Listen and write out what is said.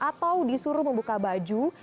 atau disuruh membuka baju